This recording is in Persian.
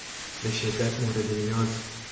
به شدت مورد نیاز